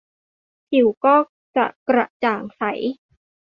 ผิวก็จะกระจ่างใส